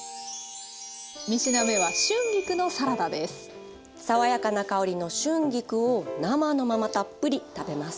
３品目は爽やかな香りの春菊を生のままたっぷり食べます。